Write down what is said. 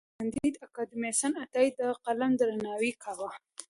کانديد اکاډميسن عطايي د قلم درناوی کاوه.